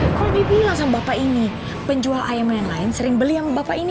kalau bibi langsung bapak ini penjual ayam yang lain sering beli yang bapak ini